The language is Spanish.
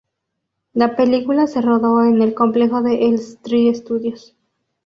La película se rodó en el complejo de Elstree Studios.